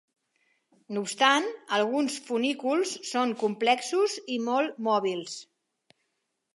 No obstant, alguns funículs són complexos i molt mòbils.